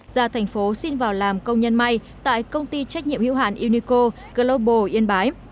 ra thành phố xin vào làm công nhân may tại công ty trách nhiệm hữu hạn unico global yên bái